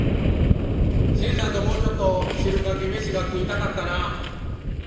信さんともうちょっと汁かけ飯が食いたかったなあ」。